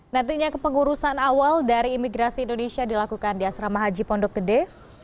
nantinya kepengurusan awal dari imigrasi indonesia dilakukan di asrama haji pondok gede